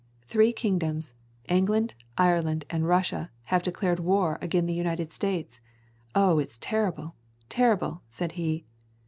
"Three kingdoms, England, Ireland, and Russia, have declared war agin the United States. Oh, it's terrible, terrible," said he.